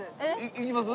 行きます？